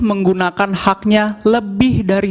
menggunakan haknya lebih dari